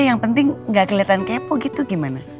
yang penting gak kelihatan kepo gitu gimana